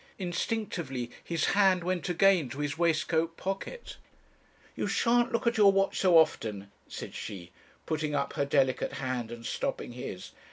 Instinctively his hand went again to his waistcoat pocket. "'You shan't look at your watch so often,' said she, putting up her delicate hand and stopping his.